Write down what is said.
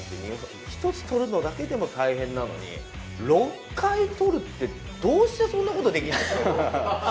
武さん、ダービーなんて一つ取るのだけでも大変なのに、６回取るって、どうして、そんなことができるんですか？